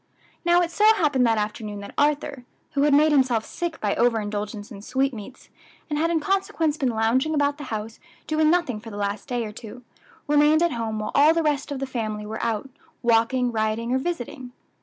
Now it so happened that afternoon that Arthur, who had made himself sick by over indulgence in sweetmeats, and had in consequence been lounging about the house doing nothing for the last day or two, remained at home while all the rest of the family were out, walking, riding, or visiting.